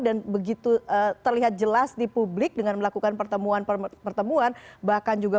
dan begitu terlihat jelas di publik dengan melakukan pertemuan pertemuan bahkan juga